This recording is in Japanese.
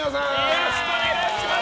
よろしくお願いします！